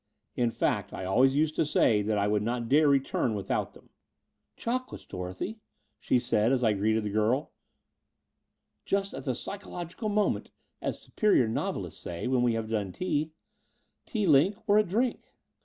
In fact, I always used to say that I would not dare return without them. "Chocolates, Dorothy," she said, as I greeted the girl, "just at the psychological moment, as superior novelists say, when we have done tea. Tea, Line, or a drink?"